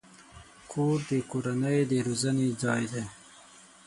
کور د کورنۍ د روزنې ځای دی.